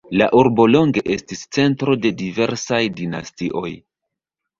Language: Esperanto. La urbo longe estis centro de diversaj dinastioj.